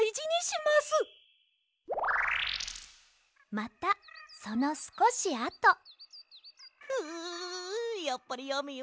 またそのすこしあとううやっぱりやめようかな。